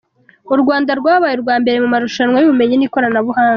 U Rwanda rwabaye urwa mbere mu marushanwa y’Ubumenyi n’Ikoranabuhanga